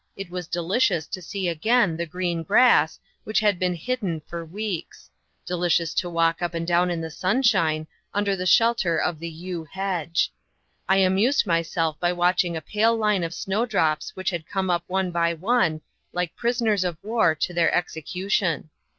It was delicious to see again the green grass, which had been hidden for weeks; delicious to walk up and down in the sunshine, under the shelter of the yew hedge. I amused myself by watching a pale line of snowdrops which had come up one by one, like prisoners of war to their execution.